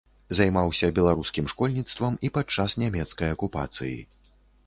Займаўся беларускім школьніцтвам і падчас нямецкай акупацыі.